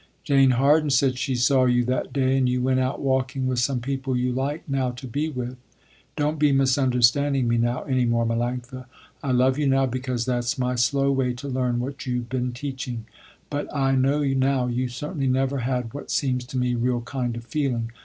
Jane Harden said she saw you that day and you went out walking with some people you like now to be with. Don't be misunderstanding me now any more Melanctha. I love you now because that's my slow way to learn what you been teaching, but I know now you certainly never had what seems to me real kind of feeling.